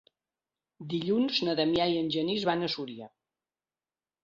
Dilluns na Damià i en Genís van a Súria.